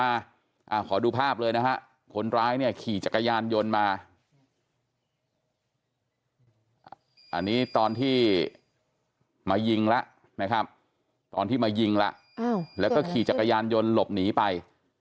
อันนี้ตอนที่มายิงแล้วนะครับตอนที่มายิงแล้วอ้าวแล้วก็ขี่จักรยานยนต์หลบหนีไป